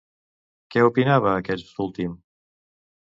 Què opinava aquest últim?